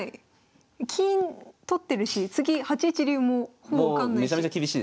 金取ってるし次８一竜もほぼ受かんないし。